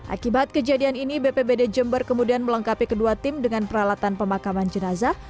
akibat kejadian ini bpbd jember kemudian melengkapi kedua tim dengan peralatan pemakaman jenazah